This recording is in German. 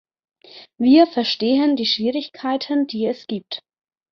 Wir verstehen die Schwierigkeiten, die es gibt.